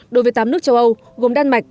đối với tám nước châu âu gồm đan mạch